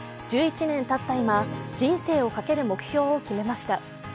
１１年たった今、人生をかける目標を決めました。